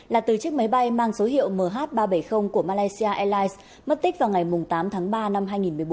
là từ chiếc máy bay mang số hiệu mh ba trăm bảy mươi của malaysia airlines mất tích vào ngày tám tháng ba năm hai nghìn một mươi bốn